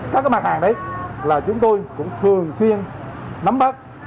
các mặt hàng đấy là chúng tôi cũng thường xuyên nắm bắt